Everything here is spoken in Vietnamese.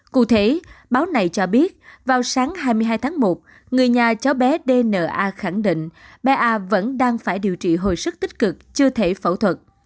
cụ thể báo này cho biết vào sáng hai mươi hai tháng một người nhà cháu bé dna khẳng định bé a vẫn đang phải điều trị hồi sức tích cực chưa thể phẫu thuật